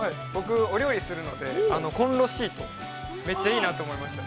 ◆僕、お料理するので、めっちゃいいなと思いました。